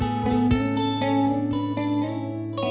supaya diri jadi dis endasya